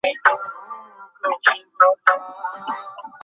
তিনি দক্ষিণপূর্ব ইউরোপে উসমানীয় সীমানা বৃদ্ধি করেন।